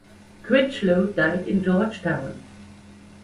Critchlow died in Georgetown.